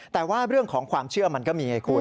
แต่ว่าเรื่องของความเชื่อมันก็มีไงคุณ